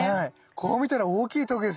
こう見たら大きいとげですよね。